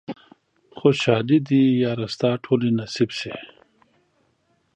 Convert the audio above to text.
خوشحالۍ دې ياره ستا ټولې نصيب شي